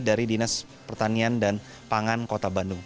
dari dinas pertanian dan pangan kota bandung